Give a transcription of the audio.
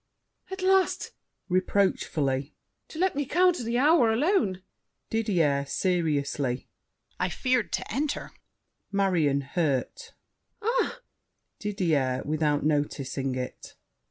At last! [Reproachfully. To let me count the hour alone! DIDIER (seriously). I feared To enter! MARION (hurt). Ah! DIDIER (without noticing it).